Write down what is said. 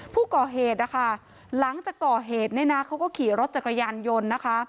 ผู้ก่อเหตุนะคะหลังจากก่อเหตุเนี่ยนะเขาก็ขี่รถจักรยานยนต์นะคะ